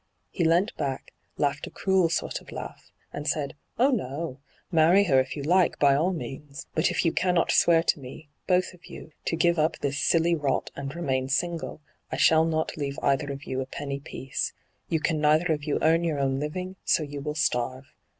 He leant back, laughed a cruel sort of laugh, and said :" Oh no ! Marry her if you like, by aU means. But if you cannot swear to me, both of you, to give up this silly rot and remain single, I shall not leave either of you a penny piece. You can neither of you earn your own living, so you will starve.